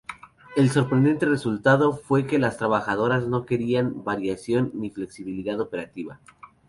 El sorprendente resultado fue que las trabajadoras no querían variación ni flexibilidad operativa.